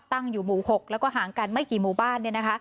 ตั้งอยู่หมู่๖แล้วก็ห่างกันไม่กี่หมู่บ้าน